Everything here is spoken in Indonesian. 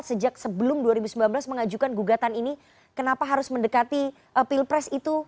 sejak sebelum dua ribu sembilan belas mengajukan gugatan ini kenapa harus mendekati pilpres itu